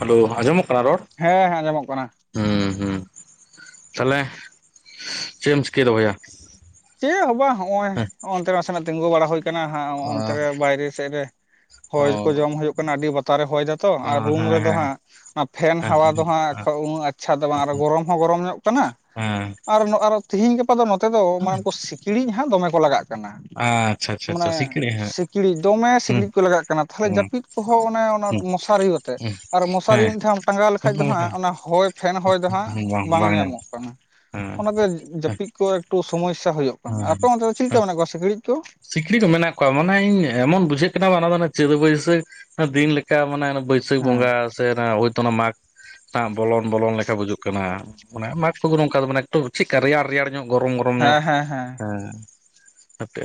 Hello ᱟᱡᱚᱢᱚᱜ ᱠᱟᱱᱟ ᱨᱚᱲ? ᱦᱮᱸ ᱦᱮᱸ ᱟᱸᱡᱚᱢᱚᱜ ᱠᱟᱱᱟ ᱦᱩᱸ ᱦᱩᱸ ᱛᱟᱦᱚᱞᱮ ᱪᱮᱫ ᱮᱢ ᱪᱤᱠᱟᱹᱭ ᱫᱚ ᱵᱟᱭᱟ? ᱪᱮᱫ ᱦᱚᱸᱵᱟᱝ ᱦᱚᱜᱚᱭ ᱱᱚᱱᱛᱮ ᱨᱮ ᱱᱟᱥᱮᱱᱟᱜ ᱛᱤᱸᱜᱳ ᱵᱟᱲᱟ ᱦᱳᱭ ᱠᱟᱱᱟ ᱦᱟ ᱦᱚᱱᱛᱮ ᱨᱮ ᱵᱟᱭᱨᱮ ᱥᱮᱫ ᱦᱚᱭ ᱠᱚ ᱚ ᱡᱚᱢ ᱦᱩᱭᱩᱜ ᱠᱟᱱᱟ ᱟᱹᱰᱤ ᱵᱟ ᱛᱟᱨᱮ ᱦᱚᱭ ᱫᱟᱛᱚ ᱚ ᱟᱨ ᱨᱩᱢ ᱦᱮᱸ ᱨᱮᱫᱚ ᱦᱮᱸ ᱦᱟᱸᱜ ᱚᱱᱟ ᱯᱷᱮᱱ ᱦᱮᱸ ᱦᱟᱣᱟ ᱫᱚ ᱦᱟᱸᱜ ᱩᱱᱟᱹᱜ ᱟᱪᱪᱷᱟ ᱫᱚ ᱵᱟᱝ ᱟᱨ ᱜᱚᱨᱚᱢ ᱦᱚᱸ ᱜᱚᱨᱚᱢ ᱧᱚᱹᱜ ᱠᱟᱱᱟ᱾ ᱦᱮᱸ ᱟᱨ ᱟᱨᱚ ᱛᱮᱦᱤᱧ ᱜᱟᱯᱟ ᱫᱚ ᱱᱚᱛᱮ ᱫᱚ ᱢᱟᱱᱮ ᱩᱱᱠᱩ ᱥᱤᱠᱲᱤᱡ ᱦᱟᱸᱜ ᱫᱚᱢᱮ ᱠᱚ ᱞᱟᱜᱟᱹᱜ ᱟᱪᱪᱷᱟ ᱟᱪᱪᱷᱟ ᱟᱪᱪᱷᱟ ᱢᱟᱱᱮ ᱥᱤᱠᱲᱤ ᱦᱮᱸ ᱥᱤᱠᱲᱤᱡ ᱫᱚᱢᱮ ᱦᱩᱸ ᱥᱤᱠᱲᱤᱡ ᱠᱚ ᱞᱟᱜᱟᱜ ᱠᱟᱱᱟ ᱛᱟᱦᱚᱞᱮ ᱦᱩᱸ ᱡᱟᱹᱯᱤᱫ ᱦᱚ ᱚᱱᱮ ᱚᱱᱟ ᱢᱚᱥᱟᱨᱤ ᱟᱛᱮ ᱦᱩᱸ ᱟᱨ ᱢᱚᱥᱟᱨᱤ ᱦᱮᱸ ᱢᱤᱫ ᱫᱷᱟᱣ ᱮᱢ ᱴᱟᱸᱜᱟᱣ ᱞᱮᱠᱷᱟᱡ ᱵᱟᱝ ᱫᱚ ᱦᱟᱸᱜ ᱚᱱᱟ ᱦᱚᱹᱭ ᱯᱷᱮᱱ ᱦᱚᱹᱭ ᱫᱚ ᱦᱟᱸᱜ ᱵᱟᱝ ᱧᱟᱢᱚᱜ ᱠᱟᱱᱟ ᱦᱮᱸ ᱚᱱᱟᱛᱮ ᱡᱟᱹᱯᱤᱫ ᱠᱚ ᱴᱩ ᱥᱚᱢᱳᱥᱟ ᱦᱩᱭᱩᱜ ᱠᱟᱱᱟ, ᱟᱯᱮ ᱚᱱᱛᱮ ᱪᱤᱠ ᱞᱮᱠᱟ ᱢᱮᱱᱟᱜ ᱠᱚᱣᱟ ᱥᱤᱠᱲᱤᱡ ᱠᱚ? ᱥᱤᱠᱲᱤᱡ ᱫᱚ ᱢᱮᱱᱟᱜ ᱠᱚᱣᱟ ᱢᱟᱱᱮ ᱤᱧ ᱮᱢᱚᱱ ᱵᱩᱡᱷᱟᱹᱜ ᱠᱟᱱᱟ ᱚᱱᱟ ᱫᱚ ᱪᱮᱹᱛ ᱵᱟᱹᱭᱥᱟᱹᱠᱷ ᱫᱤᱱ ᱞᱮᱠᱟ ᱢᱟᱱᱮ ᱵᱟᱹᱭᱥᱟᱹᱠᱷ ᱦᱮᱸ ᱵᱚᱸᱜᱟ ᱥᱮ ᱦᱚᱭᱛᱳ ᱚᱱᱟ ᱢᱟᱜᱽ ᱵᱚᱞᱚᱱ ᱵᱚᱞᱚᱱ ᱞᱮᱠᱟ ᱵᱩᱡᱩᱜ ᱠᱟᱱᱟ ᱢᱟᱱᱮ ᱢᱟᱜᱽ ᱠᱚ ᱫᱚ ᱱᱚᱝᱠᱟ ᱢᱮ ᱮᱠᱴᱩ ᱪᱮᱫ ᱞᱮᱠᱟ ᱨᱮᱭᱟᱲ ᱨᱮᱭᱟᱲ ᱧᱚᱹᱜ ᱜᱚᱨᱚᱢ ᱜᱚᱨᱚᱢ ᱧᱚᱹᱜ ᱦᱮᱸ ᱦᱮᱸ ᱦᱮᱸ᱾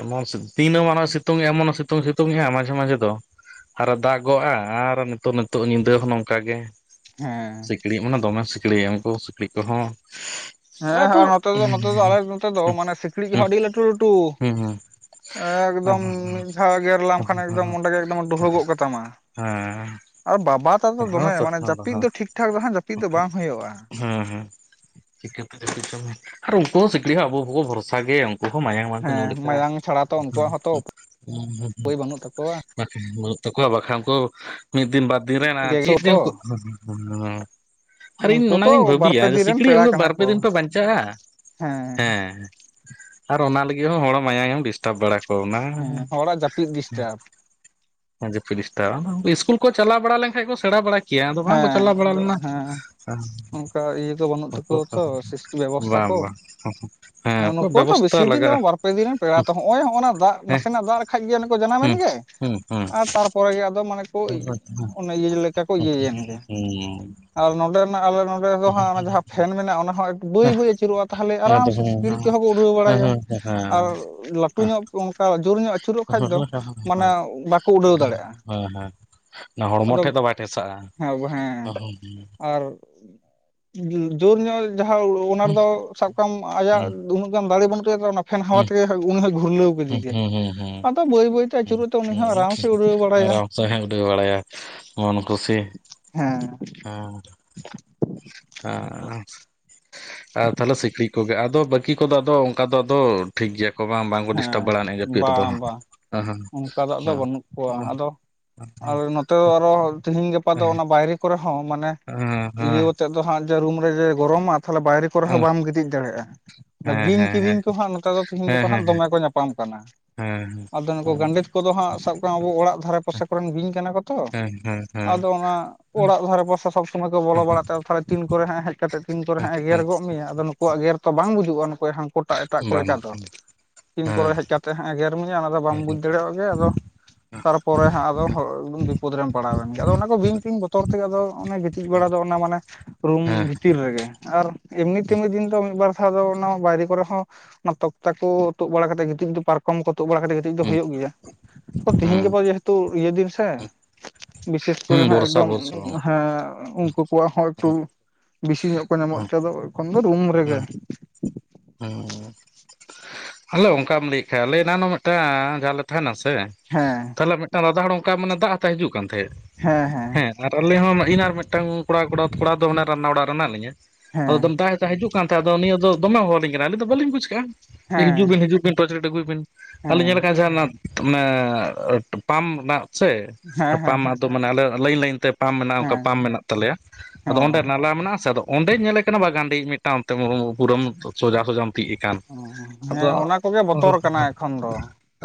ᱮᱢᱚᱱ ᱥᱤ ᱫᱤᱱᱚᱹᱢᱟᱱᱟ ᱥᱤᱛᱩᱝ ᱮᱢᱚᱱ ᱥᱤᱛᱩᱝ ᱥᱤᱛᱩᱝ ᱦᱮᱸ ᱢᱟᱡᱷᱮ ᱢᱟᱡᱷᱮ ᱫᱚ᱾ ᱟᱨᱚ ᱫᱟᱜ ᱜᱚᱜᱼᱟ᱾ ᱟᱨ ᱱᱤᱛᱚᱜ ᱱᱤᱛᱚᱜ ᱧᱤᱫᱟᱹ ᱦᱚᱸ ᱱᱚᱝᱠᱟᱜ ᱜᱮ᱾ ᱦᱮᱸ ᱰᱤ ᱢᱟᱱᱮ ᱫᱚᱢᱮᱢ ᱥᱤᱠᱲᱤᱡ ᱩᱱᱠᱩ ᱥᱤᱠᱲᱤᱡ ᱠᱚᱦᱚᱸ, ᱟᱫᱚ ᱦᱮᱸ ᱱᱚᱛᱮ ᱫᱚ ᱱᱚᱛᱮ ᱫᱚ ᱦᱮᱸ ᱟᱞᱮ ᱱᱚᱛᱮ ᱫᱚ ᱢᱟᱱᱮ ᱥᱤᱠᱲᱤᱡ ᱫᱚ ᱦᱮᱸ ᱦᱚᱸ ᱟᱹᱰᱤ ᱞᱟᱴᱩ ᱞᱟᱴᱩ, ᱦᱮᱸ ᱦᱮᱸ ᱦᱮᱸ ᱦᱮᱸ ᱮᱠᱫᱚᱢ ᱢᱤᱫ ᱫᱷᱟᱣ ᱜᱮᱨ ᱞᱮᱢ ᱦᱮᱸ ᱠᱷᱟᱱ ᱚᱸᱰᱮ ᱜᱮ ᱮᱠ ᱫᱚᱢ ᱰᱩᱦᱟᱹᱜᱚᱜ ᱠᱟᱛᱟᱢᱟ, ᱦᱮᱸ ᱟᱨ ᱵᱟᱵᱟ ᱟᱛᱚ ᱫᱚᱢᱮ ᱢᱟᱱᱮ ᱦᱮᱸ ᱡᱟᱹᱯᱤᱫ ᱫᱚ ᱴᱷᱤᱠ ᱴᱷᱟᱠ ᱫᱚ ᱦᱟᱸᱜ ᱡᱟᱹᱯᱤᱫ ᱫᱚ ᱵᱟᱝ ᱦᱩᱭᱩᱜᱼᱟ᱾ ᱦᱮᱸ ᱦᱮᱸ [unintelligible] ᱟᱨ ᱩᱱᱠᱩ ᱦᱚᱸ ᱥᱤᱠᱲᱤᱡ ᱦᱚᱸ ᱟᱵᱚ ᱠᱚᱦᱚᱸᱵᱷᱚᱨᱥᱟ ᱜᱮ, ᱢᱟᱭᱟᱝ ᱵᱟᱠᱚ ᱧᱩ ᱦᱮᱸ ᱞᱮᱠᱷᱟᱡ ᱢᱟᱭᱟᱝ ᱪᱷᱟᱲᱟ ᱛᱚ ᱩᱱᱠᱩᱣᱟᱜ ᱦᱚᱸᱛᱚ ᱦᱩᱸ ᱦᱩᱸ ᱩᱯᱟᱹᱭ ᱵᱟᱹᱱᱩᱜ ᱛᱟᱠᱚᱣᱟ ᱵᱟᱠᱷᱟᱱ ᱵᱟᱹᱱᱩᱜ ᱛᱟᱠᱚᱣᱟ ᱵᱟᱠᱷᱟᱱ ᱠᱚ ᱢᱤᱫ ᱫᱤᱱ ᱵᱟᱨ ᱫᱤᱱ ᱜᱮᱥᱚ ᱪᱮᱫ, ᱛᱚ ᱥᱟᱨᱤᱧ ᱩᱱᱠᱩ ᱛᱚ ᱚᱱᱟᱜᱤᱧ ᱵᱟᱨᱯᱮ ᱵᱷᱟᱹᱵᱤᱭᱟ ᱫᱤᱱ ᱨᱮᱱ ᱥᱤᱠᱲᱤᱡ ᱯᱮᱲᱟ ᱟᱫᱚ ᱠᱟᱱᱟ ᱠᱚ ᱵᱟᱨᱯᱮ ᱫᱤᱱ ᱯᱮ ᱵᱟᱧᱪᱟᱜᱼᱟ᱾ ᱦᱮᱸ ᱟᱨ ᱚᱱᱟ ᱞᱟᱹᱜᱤᱫ ᱦᱚᱸ ᱦᱚᱲ ᱢᱟᱭᱟ ᱢᱮᱢ ᱰᱤᱥᱴᱟᱵᱽ ᱵᱟᱲᱟ ᱠᱚ᱾ ᱚᱱᱟ ᱦᱮᱸ ᱦᱚᱲᱟᱜ ᱡᱟᱹᱯᱤᱫ ᱰᱤᱥᱴᱟᱵᱽ ᱦᱮᱸᱡᱟᱯᱤᱫ ᱰᱤᱥᱴᱟᱵ ᱤᱥᱠᱩᱞ ᱠᱚ ᱪᱟᱞᱟᱣ ᱵᱟᱲᱟ ᱞᱮᱱᱠᱷᱟᱱ ᱠᱚ ᱥᱮᱲᱟ ᱵᱟᱲᱟ, ᱠᱮᱭᱟ ᱟᱫᱚ ᱵᱟᱝᱠᱚ ᱦᱮᱸ ᱪᱟᱞᱟᱣ ᱵᱟᱲᱟ ᱟᱫᱚ ᱞᱮᱱᱟ ᱦᱮᱸ ᱚᱱᱠᱟ ᱤᱭᱟᱹ ᱫᱚ ᱵᱟᱹᱱᱩᱜ ᱛᱟᱠᱚᱣᱟ ᱛᱚ ᱤᱥᱠᱩᱞ ᱵᱮᱵᱚᱥᱛᱷᱟ ᱵᱟᱝ ᱠᱚ᱾ ᱵᱟᱝ ᱦᱮᱸ ᱚᱠᱚᱭ ᱱᱩᱠᱩ ᱛᱚ ᱵᱮᱵᱚᱥᱛᱷᱟ ᱵᱮᱥᱤ ᱫᱤᱱ ᱫᱚ ᱞᱟᱜᱟᱜᱼᱟ ᱵᱟᱨᱯᱮ ᱫᱤᱱ ᱨᱮᱱ ᱯᱮᱲᱟ ᱛᱚ ᱦᱚᱸᱜᱼᱚᱭ ᱦᱚᱸᱜᱼ ᱚᱱᱟ ᱫᱟᱜ, ᱦᱮᱸ ᱱᱟᱥᱮᱱᱟᱜ ᱫᱟᱜ ᱞᱮᱠᱷᱟᱡ ᱜᱮ ᱚᱱᱮ ᱠᱚ ᱡᱟᱱᱟᱢ ᱮᱱ ᱦᱩᱸ ᱜᱮ, ᱦᱩᱸ ᱦᱩᱸ ᱟᱨ ᱛᱟᱨᱯᱚᱨᱮ ᱟᱫᱚ ᱢᱟᱱᱮ ᱠᱚ ᱚᱱᱮ ᱤᱭᱟᱹ ᱞᱮᱠᱟ ᱠᱚ ᱤᱭᱟᱹᱭᱮᱱ, ᱜᱮ ᱦᱩᱸ ᱟᱨ ᱱᱚᱸᱰᱮᱱᱟᱜ ᱟᱞᱮ ᱱᱚᱼᱼ ᱫᱚ ᱦᱟᱸᱜ ᱚᱱᱟ ᱡᱟᱦᱟᱸ ᱯᱷᱮᱱ ᱢᱮᱱᱟᱜᱼᱟ ᱚᱱᱟ ᱦᱚᱸ ᱵᱟᱹᱭ ᱵᱟᱹᱭ ᱟᱹᱪᱩᱨᱚᱜᱼᱟ ᱛᱟᱦᱚᱞᱮ ᱟᱨᱟᱢ ᱥᱮ ᱥᱤᱠᱲᱤᱡ ᱠᱚ ᱦᱚᱸ ᱠᱚ ᱩᱰᱷᱟᱹᱣ ᱵᱟᱲᱟᱭᱟ᱾ ᱟᱨ ᱞᱟ ᱞᱟᱹᱴᱩ ᱧᱚᱜ ᱚᱱᱠᱟ ᱡᱳᱨ ᱧᱚᱜ ᱟᱹᱪᱩᱨᱚᱜ ᱠᱷᱟᱱ ᱫᱚ ᱢᱟᱱᱮ ᱵᱟᱠᱚ ᱩᱰᱟᱹᱣ ᱫᱟᱲᱮᱭᱟᱜᱼᱟ᱾ ᱦᱮᱸ ᱦᱮᱸ ᱱᱚᱶᱟ ᱦᱚᱲᱢᱚ ᱟᱫᱚ ᱴᱷᱮᱡ ᱫᱚ ᱵᱟᱭ ᱴᱷᱮᱥᱟᱜᱼᱟ᱾ ᱦᱮᱸ ᱦᱮᱸ ᱟᱨ ᱡᱳᱨ ᱧᱚᱜ, ᱡᱟᱦᱟᱸ ᱚᱱᱟ ᱨᱮᱫᱚ ᱥᱟᱵ ᱠᱟᱜ ᱢᱮ ᱟᱭᱟᱜ ᱩᱱᱟᱹᱜ ᱜᱟᱱ ᱫᱟᱲᱮ ᱵᱟᱹᱱᱩᱜ ᱛᱟᱭ ᱯᱷᱮᱱ ᱦᱟᱣᱟ ᱛᱮᱜᱮ, ᱦᱚᱸᱭ ᱜᱷᱩᱨᱞᱟᱹᱣ ᱠᱮᱫᱮ ᱦᱩᱸ ᱜᱮ ᱦᱩᱸ ᱦᱩᱸ ᱦᱩᱸ ᱟᱫᱚ ᱵᱟᱹᱭ ᱵᱟᱹᱭᱛᱮ ᱟᱹᱪᱩᱨᱚᱜ ᱛᱮ ᱩᱱᱤ ᱦᱚᱸ ᱟᱨᱟᱢ ᱥᱮ ᱩᱰᱟᱹᱣ ᱵᱟᱲᱟᱭᱟ᱾ ᱥᱚᱦᱮ ᱩᱰᱟᱹᱣ ᱵᱟᱲᱟᱭᱟ ᱢᱚᱱ ᱠᱩᱥᱤ ᱦᱮᱸ ᱦᱮᱸ, ᱟᱨ ᱛᱟᱦᱚᱞᱮ ᱥᱤᱠᱲᱤᱡ ᱠᱚᱜᱮ ᱟᱫᱚ ᱵᱟᱠᱤ ᱵᱟᱠᱤ ᱠᱚᱫᱚ ᱚᱱᱠᱟ ᱫᱚ ᱟᱫᱚ ᱴᱷᱤᱠ ᱜᱮᱭᱟ ᱠᱚ ᱵᱟᱝᱠᱚ ᱰᱤᱥᱴᱟᱵ ᱦᱮᱸ ᱵᱟᱲᱟ ᱱᱤᱜᱼᱟ ᱡᱟᱹᱯᱤᱫ ᱨᱮᱫᱚ᱾ ᱵᱟᱝ ᱵᱟᱝ ᱦᱮᱸ ᱦᱮᱸ ᱚᱱᱠᱟ ᱫᱟᱫᱚ ᱟᱫᱚ ᱵᱟᱹᱱᱩᱜ ᱠᱚᱣᱟ ᱟᱫᱚ, ᱟᱨ ᱱᱚᱛᱮ ᱟᱨᱦᱚᱸ ᱛᱤᱦᱤᱧ ᱜᱟᱯᱟ ᱫᱚ ᱚᱱᱟ ᱵᱟᱭᱨᱮ᱾ ᱠᱚᱨᱮ ᱦᱚᱸ ᱢᱟᱱᱮ ᱤᱭᱟᱹ ᱟᱛᱮ ᱫᱚ ᱦᱟᱸᱜ ᱨᱩᱢ ᱨᱮ ᱡᱮ ᱜᱚᱨᱚᱢᱟ ᱛᱟᱦᱚᱞᱮ ᱵᱟᱭᱨᱮ ᱠᱚᱨᱮ ᱦᱚᱸ ᱵᱟᱢ ᱜᱤᱛᱤᱡ ᱫᱟᱲᱮᱭᱟᱜᱼᱟ ᱦᱮᱸ ᱦᱮᱸ ᱵᱤᱧ ᱦᱮᱸ ᱦᱮᱸ ᱠᱤᱫᱤᱧ ᱠᱚᱦᱟᱸᱜ ᱱᱚᱛᱮ ᱫᱚ ᱛᱤᱦᱤᱧ ᱦᱮᱸ ᱦᱮᱸ ᱦᱮᱸ ᱜᱟᱯᱟ᱾ ᱠᱚᱦᱟᱸᱜ ᱫᱚᱢᱮ ᱠᱚ ᱧᱟᱯᱟᱢ ᱠᱟᱱᱟ᱾ ᱦᱮᱸ ᱟᱫᱚ ᱱᱩᱠᱩ ᱜᱟᱱᱰᱮᱛ ᱠᱚᱫᱚ ᱦᱟᱸᱜ ᱥᱟᱵ ᱠᱟᱜ ᱢᱮ ᱟᱵᱚ ᱚᱲᱟᱜ ᱫᱷᱟᱨᱮ ᱯᱟᱥᱮ ᱠᱚᱨᱮᱱ ᱵᱤᱧ ᱠᱟᱱᱟ ᱠᱚ ᱛᱚ, ᱦᱮᱸ ᱦᱮᱸ ᱟᱫᱚ ᱦᱟᱸᱜ ᱚᱲᱟᱜ ᱫᱷᱟᱨᱮ ᱯᱟᱥᱮ ᱥᱚᱵ ᱥᱚᱢᱚᱭ ᱠᱚ ᱵᱚᱞᱚ ᱦᱮᱸ ᱵᱟᱲᱟ ᱛᱮ ᱛᱟᱦᱚᱞᱮ ᱛᱤᱱ ᱠᱚᱨᱮ ᱦᱟᱸᱜ ᱦᱮᱡ ᱠᱟᱛᱮ ᱛᱤᱱ ᱠᱚᱨᱮ ᱦᱮᱸ ᱦᱟᱸᱜ ᱮ ᱜᱮᱨ ᱜᱚᱫ ᱢᱮᱭᱟ ᱟᱫᱚ ᱱᱩᱠᱩᱣᱟᱜ ᱜᱮᱨ ᱛᱚ ᱵᱟᱝ ᱵᱩᱡᱩᱜᱼᱟ ᱱᱩᱠᱩ ᱦᱟᱱᱠᱩ ᱮᱴᱟᱜ ᱮᱴᱟᱜ ᱠᱚ ᱵᱟᱝ ᱞᱮᱠᱟ ᱫᱚ᱾ ᱛᱤᱱ ᱦᱮᱸ ᱠᱚᱨᱮ ᱦᱮᱡ ᱠᱟᱛᱮ ᱦᱟᱸᱜ ᱮ ᱜᱮᱨ ᱢᱮᱭᱟ ᱚᱱᱟ ᱫᱚ ᱵᱟᱢ ᱵᱩᱡᱽ ᱦᱮᱸ ᱫᱟᱲᱮᱭᱟᱜ ᱜᱮ ᱟᱫᱚ ᱛᱟᱨᱯᱚᱨᱮ ᱦᱟᱸᱜ ᱟᱫᱚ ᱵᱤᱯᱚᱫ ᱨᱮᱢ ᱯᱟᱲᱟᱣᱮᱱ ᱜᱮ ᱟᱫᱚ ᱚᱱᱟ ᱠᱚ ᱵᱤᱧ ᱛᱤᱧ ᱵᱚᱛᱚᱨ ᱛᱮᱜᱮ ᱟᱫᱚ ᱚᱱᱮ ᱜᱤᱛᱤᱡ ᱵᱟᱲᱟ ᱫᱚ ᱚᱱᱟ ᱢᱟᱱᱮ, ᱨᱩᱢ ᱦᱮᱸ ᱵᱷᱤᱛᱤᱨ ᱨᱮᱜᱮ ᱟᱨ ᱮᱢᱱᱤ ᱛᱮᱢᱱᱤ ᱫᱤᱱ ᱫᱚ ᱢᱤᱫᱵᱟᱨ ᱫᱷᱟᱣ ᱫᱚ ᱚᱱᱟ ᱵᱟᱭᱨᱮ ᱠᱚᱨᱮ ᱦᱚᱸ ᱚᱱᱟ ᱛᱚᱠᱛᱟ ᱠᱚ᱾ ᱛᱩᱫ ᱵᱟᱲᱟ ᱠᱟᱛᱮ ᱜᱤᱛᱤᱡ ᱫᱚ ᱯᱟᱨᱠᱚᱢ ᱠᱚ ᱛᱩᱫ ᱵᱟᱲᱟ ᱠᱟᱛᱮ ᱜᱤᱛᱤᱡ ᱫᱚ ᱦᱩᱭᱩᱜ ᱜᱮᱭᱟ ᱛᱤᱦᱤᱧ ᱦᱮᱸ ᱜᱟᱯᱟ ᱡᱮᱦᱮᱛᱩ ᱤᱭᱟᱹ ᱫᱤᱱ ᱥᱮ ᱵᱤᱥᱮᱥ ᱦᱩᱸ ᱠᱚᱨᱮ ᱦᱟᱸᱜ ᱵᱚᱨᱥᱟ ᱮᱠᱫᱚᱢ ᱵᱚᱨᱥᱟ ᱦᱮᱸ, ᱩᱱᱠᱩ ᱠᱚᱣᱟᱜ ᱦᱚᱸ ᱮᱠᱴᱩ ᱵᱮᱥᱤ ᱧᱚᱜ ᱠᱚ ᱧᱟᱢᱚᱜ ᱦᱩᱸ ᱛᱮ ᱮᱠᱷᱚᱱ ᱫᱚ ᱨᱩᱢ ᱨᱮᱜᱮ ᱦᱩᱸ ᱾ ᱦᱩᱸ ᱦᱮᱸᱞᱳ ᱚᱱᱠᱟᱢ ᱞᱟᱹᱭᱮᱫ ᱠᱷᱟᱡ ᱟᱞᱮ ᱮᱱᱟᱱᱚᱜ ᱢᱤᱫᱴᱟᱝ ᱡᱟᱦᱟᱸ ᱨᱮᱞᱮ ᱛᱟᱦᱮᱱᱟ ᱥᱮ, ᱦᱮᱸ, ᱛᱟᱦᱚᱞᱮ ᱢᱤᱫᱴᱟᱝ ᱫᱟᱫᱟ ᱦᱚᱲ ᱚᱱᱠᱟ ᱢᱟᱱᱮ ᱫᱟᱜ ᱦᱟᱛᱟᱭ ᱦᱤᱡᱩᱜ ᱠᱟᱱ ᱛᱟᱦᱮᱸᱫ, ᱦᱮᱸ ᱦᱮᱸ, ᱟᱞᱤᱧ ᱦᱚᱸ ᱤᱧ ᱟᱨ ᱢᱤᱫᱴᱟᱝ ᱠᱚᱲᱟ ᱠᱚᱲᱟ ᱛᱷᱚᱲᱟ ᱫᱚ ᱚᱱᱟ ᱨᱟᱱᱱᱟ ᱚᱲᱟᱜ ᱨᱮ ᱢᱮᱱᱟᱜ ᱞᱤᱧᱟᱹ [unintelligible] ᱦᱮᱸ ᱦᱤᱡᱩᱜ ᱠᱟᱱ ᱛᱟᱦᱮᱸ ᱟᱫᱚ ᱱᱤᱭᱟᱹ ᱫᱚ ᱫᱚᱢᱮ ᱦᱚᱦᱚ ᱟᱹᱞᱤᱧ ᱠᱟᱱᱟ ᱟᱹᱞᱤᱧ ᱫᱚ ᱵᱟᱞᱤᱧ ᱵᱩᱡᱽ ᱠᱟᱜᱼᱟ ᱾ ᱦᱤᱡᱩᱜ ᱦᱮᱸ ᱵᱤᱱ ᱦᱤᱡᱩᱜ ᱵᱤᱱ ᱴᱚᱪᱞᱟᱹᱭᱤᱴ ᱟᱹᱜᱩᱭ ᱵᱤᱱ ᱟᱨᱞᱤᱧ ᱦᱮᱸ ᱧᱮᱞᱮ ᱠᱟᱱᱟᱟ ᱡᱟᱦᱟᱱᱟᱜ ᱢᱟᱱᱮ ᱯᱟᱢᱯ ᱫᱟᱜ ᱥᱮ ᱦᱮᱸ ᱦᱮᱸ ᱯᱟᱢᱯ ᱦᱮᱸ ᱟᱫᱚ ᱢᱟᱱᱮ ᱟᱞᱮ ᱞᱟᱹᱭᱤᱱ ᱞᱟᱹᱭᱤᱱ ᱛᱮ ᱯᱟᱢᱯ ᱢᱮᱱᱟᱜᱼᱟ ᱚᱱᱠᱟ ᱯᱟᱢᱯ ᱦᱮᱸ ᱢᱮᱱᱟᱜ ᱛᱟᱞᱮᱭᱟ ᱦᱮᱸ ᱟᱫᱚ ᱚᱸᱰᱮ ᱚ ᱱᱟᱞᱟ ᱢᱮᱱᱟᱜᱼᱟ ᱥᱮ, ᱚᱸᱰᱮᱧ ᱧᱮᱞᱮ ᱠᱟᱱᱟ ᱵᱟᱝ ᱜᱟᱱᱰᱮ ᱤᱡ ᱢᱤᱫᱴᱟᱝ ᱚᱱᱛᱮ ᱯᱩᱨᱟᱹᱢ ᱥᱚᱡᱟ ᱥᱚᱡᱟᱢ ᱛᱤᱡ ᱟᱠᱟᱱ ᱾ ᱚ ᱦᱮᱸ ᱚᱱᱟ ᱠᱚᱜᱮ ᱵᱚᱛᱚᱨ ᱠᱟᱱᱟ ᱮᱠᱷᱚᱱ ᱫᱚ,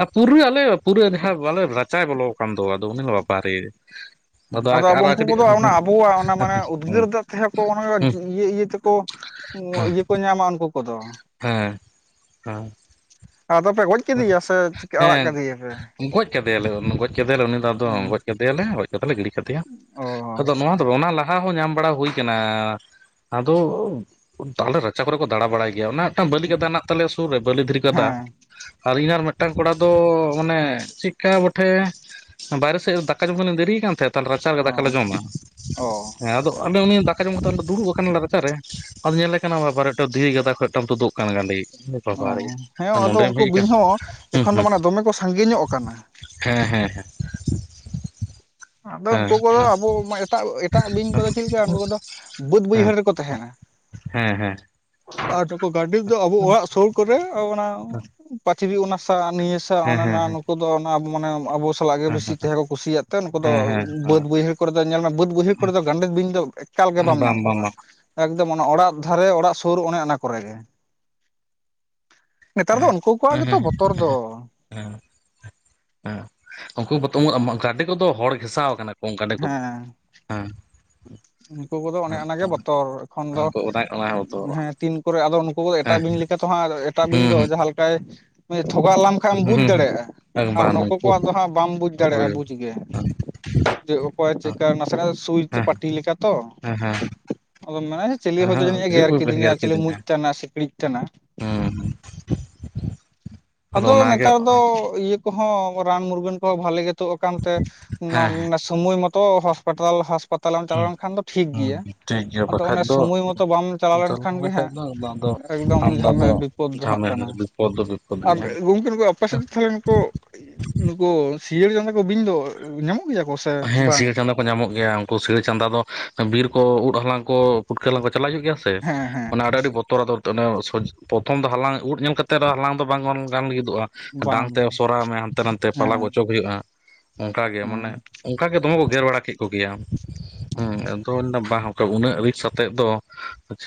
ᱟᱨ ᱯᱩᱨᱟᱹ ᱟᱞᱮ ᱯᱩᱨᱟᱹ ᱡᱟᱦᱟᱸ ᱟᱞᱮ ᱨᱟᱪᱟᱭ ᱵᱚᱞᱚ ᱟᱠᱟᱱ ᱫᱚ ᱟᱫᱚ ᱩᱱᱤ ᱵᱟᱰᱟᱨᱮ ᱟᱫᱚ ᱟᱵᱚ ᱩᱱᱠᱩ ᱠᱚᱫᱚ ᱚᱱᱟ ᱟᱵᱚᱣᱟᱜ ᱚᱱᱟ ᱢᱟᱱᱮ ᱦᱩᱸ ᱩᱫᱽᱜᱟᱹᱨ ᱫᱟᱜ ᱛᱟᱦᱮ ᱠᱚᱸᱚᱱᱮ ᱦᱩᱸ ᱚᱱᱚᱠᱟ ᱤᱭᱟᱹ ᱤᱭᱟᱹ ᱛᱮᱠᱚ ᱤᱭᱟᱹ ᱠᱚ ᱧᱟᱢᱟ ᱩᱱᱠᱩ ᱠᱚᱫᱚ ᱾ ᱦᱮᱸ ᱦᱮᱸ ᱟᱫᱚ ᱯᱮ ᱜᱚᱡ ᱠᱮᱫᱮᱭᱟ ᱥᱮ ᱪᱤᱠᱟᱹ ᱟᱲᱟᱜ ᱦᱮᱸ ᱠᱟᱫᱮᱭᱟᱯᱮ ᱜᱚᱡ ᱠᱮᱫᱮᱭᱟᱞᱮ ᱜᱚᱡ ᱠᱮᱫᱮᱭᱟᱞᱮ ᱩᱱᱤ ᱫᱚ ᱟᱫᱚ ᱚ ᱜᱚᱡ ᱠᱟᱛᱮ ᱫᱤᱭᱟᱞᱮ ᱜᱚᱡ ᱠᱟᱛᱮ ᱞᱮ ᱜᱤᱲᱤ ᱠᱟᱫᱮᱭᱟ ᱚ ᱟᱫᱚ ᱱᱚᱣᱟ ᱫᱚ ᱚᱱᱟ ᱞᱟᱦᱟ ᱦᱚᱸ ᱧᱟᱢ ᱵᱟᱲᱟ ᱦᱩᱭ ᱠᱟᱱᱟ ᱾ ᱟᱫᱚ ᱟᱞᱮ ᱨᱟᱪᱟ ᱠᱚᱨᱮ ᱠᱚ ᱫᱟᱬᱟ ᱵᱟᱲᱟᱭ ᱜᱮᱭᱟ ᱚᱱᱟ ᱵᱟᱹᱞᱤ ᱜᱟᱫᱟ ᱦᱮᱱᱟᱜ ᱛᱟᱞᱮᱭᱟ ᱥᱩᱨ ᱨᱮ ᱵᱟᱹᱞᱤ ᱫᱷᱤᱨᱤ ᱜᱟᱫᱟ ᱾ ᱦᱮᱸ ᱟᱞᱤᱧ ᱟᱨ ᱢᱤᱫᱴᱟᱱ ᱠᱚᱲᱟ ᱫᱚ ᱚᱱᱮ ᱪᱮᱫᱠᱟ ᱵᱚᱴᱷᱮ ᱵᱟᱭᱨᱮ ᱥᱮᱫ ᱨᱮ ᱫᱟᱠᱟ ᱡᱚᱢ ᱷᱚᱞᱤᱧ ᱫᱮᱨᱤᱭ ᱠᱟᱱ ᱛᱟᱦᱮᱸᱫ ᱛᱟᱦᱞᱮ ᱨᱟᱪᱟ ᱨᱮᱜᱮ ᱚ ᱫᱟᱠᱟᱞᱮ ᱡᱚᱢᱟ ᱚ ᱦᱮᱸ ᱟᱫᱚ, ᱟᱞᱮ ᱩᱱᱤ ᱫᱟᱠᱟ ᱡᱚᱢ ᱠᱟᱛᱮ ᱞᱮ ᱫᱩᱲᱩᱵ ᱟᱠᱟᱱᱟᱞᱮ ᱨᱟᱪᱟᱨᱮ ᱟᱫᱚ ᱧᱮᱞᱮ ᱠᱟᱱᱟ ᱵᱟᱵᱟᱨᱮ ᱢᱤᱫᱴᱟᱝ ᱫᱷᱤᱨᱤ ᱜᱟᱫᱟ ᱠᱷᱚᱱ ᱢᱤᱫᱴᱟᱝ ᱛᱩᱫᱩᱜ ᱠᱟᱱ ᱜᱟᱸᱰᱮ ᱠᱟᱱ ᱵᱟᱵᱟᱨᱮ, ᱚ ᱦᱮᱸ ᱟᱨ ᱟᱫᱚ ᱱᱚᱸᱰᱮᱢ ᱩᱱᱠᱩ ᱦᱮᱡ ᱟᱠᱟᱱ ᱵᱤᱧ ᱦᱚᱸ ᱦᱩᱸ ᱮᱠᱷᱚᱱ ᱫᱚ ᱦᱩᱸ ᱢᱟᱱᱮ ᱫᱚᱢᱮ ᱠᱚ ᱥᱟᱺᱜᱮ ᱧᱚᱜ ᱠᱟᱱᱟ ᱦᱮᱸ, ᱦᱮᱸ, ᱦᱮᱸ, ᱟᱫᱚ ᱦᱮᱸ ᱩᱱᱠᱩ ᱠᱚᱫᱚ ᱟᱵᱚ ᱮᱴᱟᱜ ᱮᱴᱟᱜ ᱵᱤᱧ ᱠᱚᱫᱚ ᱪᱮᱫᱞᱮᱠᱟ ᱩᱱᱠᱩ ᱠᱚᱫᱚ ᱵᱟᱹᱫᱽ ᱵᱟᱹᱭᱦᱟᱹᱲ ᱨᱮᱠᱚ ᱛᱟᱦᱮᱱᱟ ᱾ ᱦᱮᱸ ᱦᱮᱸ, ᱟᱨ ᱱᱩᱠᱩ ᱜᱟᱰᱮᱫ ᱫᱚ ᱟᱵᱚ ᱚᱲᱟᱜ ᱥᱩᱨ ᱠᱚᱨᱮ ᱚᱱᱟ ᱯᱟᱹᱪᱨᱤ ᱚᱱᱟ ᱥᱟ ᱱᱤᱭᱟᱹ ᱥᱟᱜ ᱦᱮᱸ ᱚᱱᱮ ᱚᱱᱟ ᱱᱩᱠᱩ ᱫᱚ ᱚᱱᱟ ᱢᱟᱱᱮ ᱟᱵᱚ ᱥᱟᱞᱟᱞᱟ ᱜᱮ ᱵᱮᱥᱤ ᱛᱟᱦᱮᱸ ᱠᱚ ᱠᱩᱥᱤᱭᱟᱜ ᱛᱮ ᱱᱩᱠᱩ ᱦᱮᱸ ᱫᱚ ᱦᱮᱸ ᱦᱮᱸ ᱵᱟᱹᱫᱽ ᱦᱮᱸ ᱵᱟᱹᱭᱦᱟᱹᱲ ᱠᱚᱨᱮ ᱫᱚ ᱧᱮᱞ ᱢᱮ ᱵᱟᱹᱫᱽ ᱵᱟᱹᱭᱦᱟᱹᱲ ᱠᱚᱨᱮ ᱫᱚ ᱜᱟᱱᱰᱮᱫ ᱵᱤᱧ ᱫᱚ ᱮᱠᱟᱞ ᱜᱮ ᱵᱟᱢ ᱵᱟᱝ ᱧᱟᱢ ᱵᱟᱝ ᱠᱚᱣᱟ? ᱵᱟᱝ ᱮᱠᱫᱚᱢ ᱚᱱᱮ ᱚᱲᱟᱜ ᱫᱷᱟᱨᱮ ᱚᱲᱟᱜ ᱥᱳᱨ ᱚᱱᱮ ᱚᱱᱟ ᱠᱚᱨᱮ ᱜᱮ ᱾ ᱱᱮᱛᱟᱨ ᱫᱚ ᱦᱮᱸ ᱩᱱᱠᱩ ᱠᱚᱣᱟᱜ ᱦᱮᱸ ᱜᱮᱛᱚ ᱦᱮᱸ ᱵᱚᱛᱚᱨ ᱫᱚ ᱾ ᱦᱮᱸ ᱦᱮᱸ ᱩᱱᱠᱩ ᱜᱟᱹᱰᱤ ᱠᱚᱫᱚ ᱦᱚᱲ ᱜᱷᱮᱥᱟᱣ ᱠᱟᱱᱟ ᱠᱚ ᱾ ᱠᱚᱝ ᱜᱟᱸᱰᱮ ᱠᱚᱫᱚ ᱦᱮᱸ ᱦᱮᱸ ᱩᱱᱠᱩ ᱠᱚᱫᱚ ᱚᱱᱮ ᱚᱱᱟᱜᱮ ᱵᱚᱛᱚᱨ ᱮᱠᱷᱚᱱ ᱫᱚ ᱩᱱᱠᱩ ᱚᱱᱟ ᱚᱱᱟ ᱦᱚᱸᱛᱚ ᱦᱮᱸ ᱛᱤᱱ ᱟᱫᱚ ᱱᱩᱠᱩ ᱠᱚ ᱮᱴᱟᱜ ᱦᱮᱸ ᱵᱤᱧ ᱞᱮᱠᱟ ᱛᱚ ᱦᱟᱸᱜ ᱮᱴᱟᱜ ᱵᱤᱧ ᱦᱩᱸ ᱫᱚ ᱡᱟᱦᱟ ᱞᱮᱠᱟᱭ ᱛᱷᱚᱜᱟᱜ ᱞᱟᱢ ᱠᱷᱟᱢ ᱮᱢᱚ ᱵᱩᱡᱽ ᱦᱩᱸ ᱫᱟᱲᱮᱭᱟᱜᱼᱟ ᱦᱩᱸ ᱟᱨ ᱵᱟᱝ ᱱᱩᱠᱩ ᱱᱩᱝᱠᱩ ᱠᱚᱣᱟᱜ ᱫᱚ ᱦᱟᱸᱜ ᱵᱟᱢ ᱵᱩᱡᱽ ᱫᱟᱲᱮᱭᱟᱜᱼᱟ ᱦᱳᱭ ᱵᱩᱡ ᱜᱮ ᱾ ᱡᱮ ᱚᱠᱚᱭ ᱪᱮᱫᱠᱟ ᱱᱟᱥᱮᱱᱟᱜ ᱥᱩᱭ ᱛᱮ ᱦᱮᱸ ᱯᱟᱹ ᱴᱤ ᱞᱮᱠᱟ ᱛᱚ ᱦᱮᱸ ᱟᱫᱚᱢ ᱢᱮᱱᱟ ᱪᱮᱞᱮ ᱦᱮᱸ ᱦᱚᱭᱛᱳ ᱡᱟᱹᱱᱤᱡ ᱜᱮᱨ ᱦᱮᱸ ᱠᱤᱫᱤᱧᱟ ᱪᱮᱞᱮ ᱢᱩᱡ ᱛᱟᱱᱟᱜ ᱥᱤᱠᱬᱤᱡ ᱛᱟᱱᱟᱜ, ᱦᱮᱸ ᱦᱮᱸ ᱟᱫᱚ ᱱᱮᱛᱟᱨ ᱫᱚ ᱤᱭᱟᱹ ᱠᱚᱦᱚᱸ ᱨᱟᱱ ᱢᱩᱨᱜᱟᱹᱱ ᱠᱚᱦᱚᱸ ᱵᱷᱟᱞᱮ ᱜᱮ ᱛᱳᱜ ᱟᱠᱟᱱ ᱛᱮ ᱦᱮᱸ ᱥᱳᱢᱚᱭ ᱢᱚᱛᱚ ᱦᱚᱥᱯᱮᱴᱮᱞ ᱦᱟᱥ ᱯᱟᱛᱟᱞᱮᱢ ᱪᱟᱞᱟᱣ ᱦᱩᱸ ᱞᱮᱱᱠᱷᱟᱱ ᱫᱚ ᱴᱷᱤᱠ ᱦᱩᱸ ᱜᱮᱭᱟ ᱴᱷᱤᱠ ᱜᱮᱭᱟ ᱟᱫᱚ ᱵᱟᱠᱷᱟᱡ ᱚᱱᱮ ᱫᱚ ᱥᱚᱢᱚᱭ ᱢᱚᱛᱚ ᱵᱟᱢ ᱪᱟᱞᱟᱣ ᱪᱟᱹᱞᱩ ᱞᱮᱱᱠᱷᱟᱱ ᱜᱮ ᱞᱮᱠᱷᱟᱡ ᱦᱟᱸᱜ ᱫᱚ ᱟᱫᱚ ᱮᱠᱫᱚᱢ ᱟᱢᱫᱟ ᱡᱷᱟᱢᱮ ᱫᱚ ᱵᱤᱯᱚᱫ ᱫᱚᱦᱟᱸᱜ ᱡᱷᱟᱢᱮᱞ ᱠᱟᱱᱟ ᱵᱤᱯᱚᱫ ᱫᱚ ᱵᱤᱯᱚᱫ ᱟᱨ ᱜᱮᱭᱟ ᱜᱚᱝᱠᱮ [unintelligible] ᱯᱟᱥᱮᱫ ᱛᱟᱦᱚᱞᱮ ᱱᱩᱠᱩ ᱱᱩᱠᱩ ᱥᱤᱭᱟᱹᱲ ᱪᱟᱸᱫᱟ ᱠᱚ ᱵᱤᱧ ᱫᱚ ᱧᱟᱢᱚᱜ ᱜᱮᱭᱟ ᱠᱚ? ᱥᱮ ᱦᱮᱸ ᱵᱟᱝ? ᱥᱤᱭᱟᱹᱲ ᱪᱟᱸᱫᱟ ᱠᱚ ᱧᱟᱢᱚᱜ ᱜᱮᱭᱟ ᱩᱱᱠᱩ ᱥᱤᱭᱟᱹᱲ ᱪᱟᱸᱫᱟ ᱫᱚ ᱵᱤᱨ ᱠᱚ ᱩᱫ ᱦᱟᱞᱟᱝ ᱠᱚ ᱯᱩᱴᱠᱟᱹ ᱦᱟᱞᱟᱝ ᱠᱚ ᱪᱟᱞᱟᱣ ᱦᱩᱭᱩᱜ ᱜᱮᱭᱟ ᱥᱮ ᱦᱮᱸ ᱦᱮᱸ ᱟᱹᱰᱤ ᱟᱹᱰᱤ ᱵᱚᱛ ᱩᱚᱨᱚᱨ [unintelligible] ᱯᱨᱚᱛᱷᱚᱢ ᱫᱚ ᱦᱟᱞᱟᱝ ᱩᱫ ᱧᱮᱞ ᱠᱟᱛᱮ ᱨᱮᱦᱚᱸ ᱦᱟᱞᱟᱝ ᱫᱚ ᱵᱟᱝ ᱵᱚᱱ ᱜᱟᱱ [unintelligible] [unintelligible] ᱰᱟᱝ ᱵᱟᱝ ᱛᱮ ᱵᱟᱝ ᱥᱚᱨᱟᱭ ᱢᱮ ᱦᱟᱱᱛᱮ ᱱᱟᱛᱮ ᱯᱟᱞᱟᱠᱚ ᱦᱮᱸ ᱚᱪᱚᱜ ᱦᱩᱭᱩᱜᱼᱟ ᱚᱱᱠᱟᱜᱮ ᱢᱟᱱᱮ ᱦᱮᱸ ᱚᱱᱠᱟ ᱜᱮ ᱫᱚᱢᱮ ᱠᱚ ᱜᱮᱨ ᱵᱟᱲᱟ ᱠᱮᱜ ᱠᱚᱜᱮᱭᱟ ᱦᱮᱸ ᱦᱮᱸ ᱟᱫᱚ [unintelligible] ᱵᱟᱝ ᱩᱱᱟᱹᱜ ᱨᱤᱥ ᱟᱛᱮᱫ ᱫᱚ